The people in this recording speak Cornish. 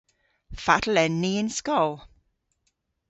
Fatel en ni yn skol?